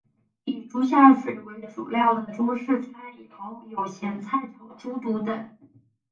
以猪下水为主料的中式菜肴有咸菜炒猪肚等。